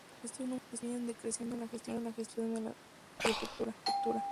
Estos números viene creciendo en las gestiones que se suceden en la Prefectura.